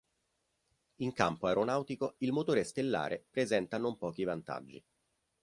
In campo aeronautico il motore stellare presenta non pochi vantaggi.